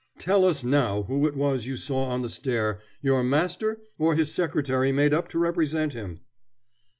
Tell us now who it was you saw on the stair, your master, or his secretary made up to represent him?"